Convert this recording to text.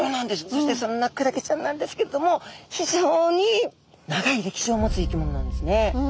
そしてそんなクラゲちゃんなんですけれども非常に長い歴史を持つ生き物なんですね。